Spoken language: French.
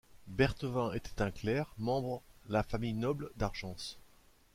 Berthevin était un clerc, membre la famille noble d'Argence.